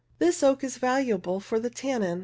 This oak is valuable for the tannin, 14.